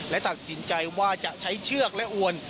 และตัดสินใจว่าจะใช้เชือกและอวน